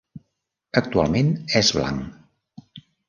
Actualment és blanc.